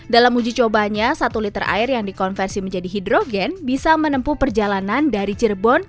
dalam uji cobanya satu liter air yang dikonversi menjadi hidrogen bisa menempuh perjalanan dari cirebon